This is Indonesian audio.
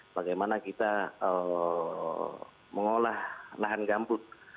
bagaimana kita mengolah lahan gambut